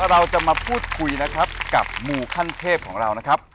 เราจะมาพูดคุยนะครับกับหมู่ขั้นเทพของเรานะครับ